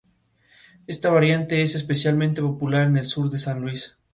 Esta variante es especialmente popular en el sur de San Luis.